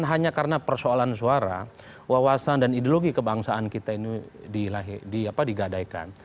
hanya karena persoalan suara wawasan dan ideologi kebangsaan kita ini digadaikan